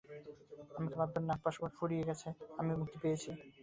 আমাকে বাঁধবার নাগপাশ ওর ফুরিয়ে গেছে, আমি মুক্তি পেয়েছি।